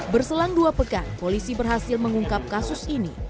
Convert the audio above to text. berselang dua pekan polisi berhasil mengungkap kasus ini